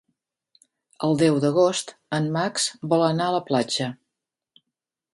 El deu d'agost en Max vol anar a la platja.